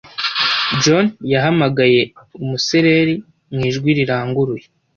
John yahamagaye umusereri mu ijwi riranguruye.